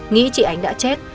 nghĩ chị ánh đã chết